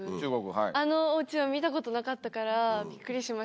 あのお家は見たことなかったからびっくりしました。